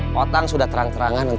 potang sudah terang terangan untuk kita